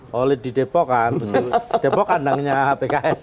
holid di depokan depok kandangnya pks